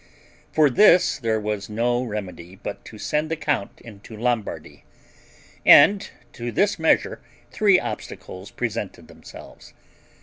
For this there was no remedy, but to send the count into Lombardy; and to this measure three obstacles presented themselves.